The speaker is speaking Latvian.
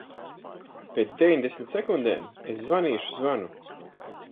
Pēc deviņdesmit sekundēm es zvanīšu zvanu.